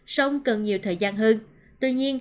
sống cần nhiều thời gian hơn